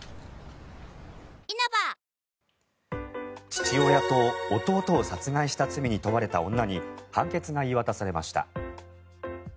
父親と弟を殺害した罪に問われた女に判決が言い渡されました。